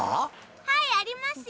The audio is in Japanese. はいありますよ。